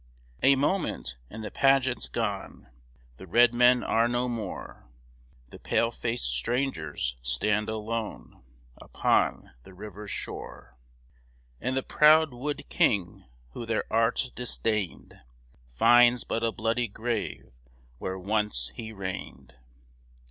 A moment, and the pageant's gone; The red men are no more; The pale faced strangers stand alone Upon the river's shore; And the proud wood king, who their arts disdained, Finds but a bloody grave where once he reigned.